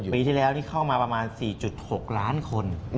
ปีที่แล้วนี่เข้ามาประมาณ๔๖ล้านคน